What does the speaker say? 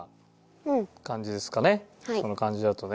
その感じだとね。